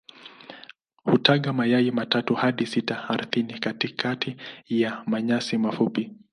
Hutaga mayai matatu hadi sita ardhini katikati ya manyasi mafupi.